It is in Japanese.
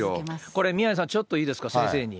これ宮根さん、ちょっといいですか、先生に。